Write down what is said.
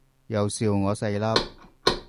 又笑我細粒